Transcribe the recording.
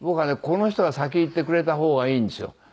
この人が先に逝ってくれた方がいいんですよ。